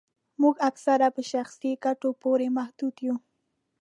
موږ اکثره په شخصي ګټو پوري محدود یو